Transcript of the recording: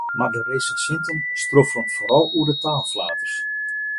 Mar de resinsinten stroffelen foaral oer de taalflaters.